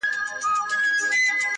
یا به هم لمبه د شمعي له سر خېژي